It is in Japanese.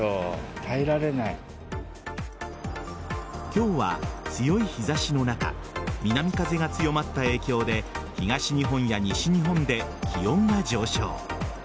今日は、強い日差しの中南風が強まった影響で東日本や西日本で気温が上昇。